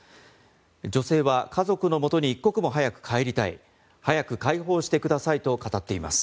女性は家族のもとに一刻も早く帰りたい早く解放してくださいと語っています。